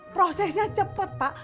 prosesnya cepet pak